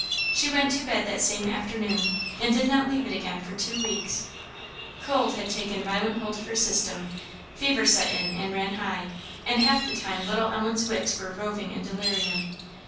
She went to bed that same afternoon, and did not leave it again for two weeks. Cold had taken violent hold of her system; fever set in, and ran high; and half the time little Ellen's wits were roving in delirium.